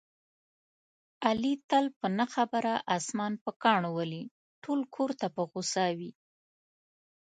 علي تل په نه خبره اسمان په کاڼو ولي، ټول کورته په غوسه وي.